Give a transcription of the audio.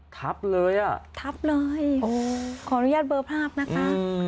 ทับเลยอ่ะทับเลยขออนุญาตเบอร์ภาพนะคะ